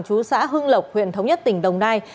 chú xã hưng lộc huyện thống nhất tỉnh đồng nai